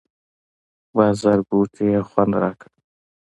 بازارګوټي یې خوند راکړ.